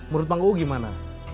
menurut panggung gimana